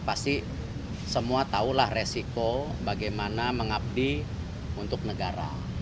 pasti semua tahulah resiko bagaimana mengabdi untuk negara